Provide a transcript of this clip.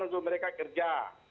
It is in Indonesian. untuk mereka kerja